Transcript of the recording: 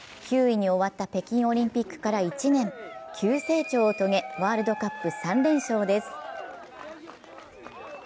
９位に終わった北京オリンピックから１年、急成長を遂げ、ワールドカップ３連勝です。